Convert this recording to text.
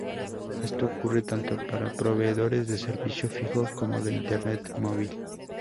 Esto ocurre tanto para proveedores de servicio fijo como de internet móvil.